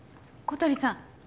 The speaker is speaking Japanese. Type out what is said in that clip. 小鳥さん